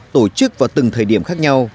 tổ chức vào từng thời điểm khác nhau